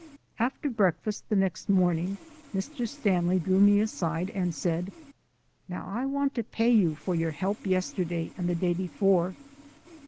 After breakfast the next morning Mr. Stanley drew me aside and said: "Now I want to pay you for your help yesterday and the day before."